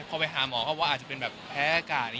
พอไปหาหมอเขาว่าอาจจะเป็นแบบแพ้อากาศ